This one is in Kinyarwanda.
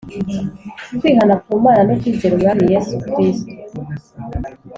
kwihana ku Mana no kwizera Umwami Yesu kristo.